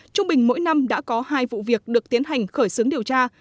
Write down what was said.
trung bình mỗi năm đã có hai vụ việc được tiến hành khởi xướng điều tra